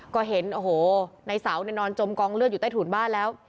มือสาวจมกองเลือดอยู่ในถุนบ้านแล้ว